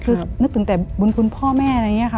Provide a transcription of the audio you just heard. คือนึกถึงแต่บุญคุณพ่อแม่อะไรอย่างนี้ค่ะ